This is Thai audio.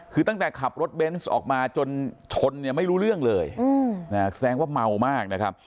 คือตั้งแต่ขับรถเบนส์ออกมาจนชนเนี่ยไม่รู้เรื่องเลยแสดงว่าเมามากนะครับ